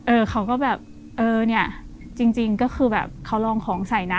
เขาก็แบบเออเนี่ยจริงก็คือแบบเขาลองของใส่นะ